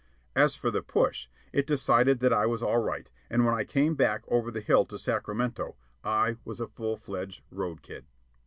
As for the push, it decided that I was all right, and when I came back over the hill to Sacramento, I was a full fledged road kid.